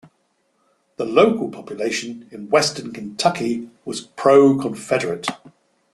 The local population in western Kentucky was pro-Confederate.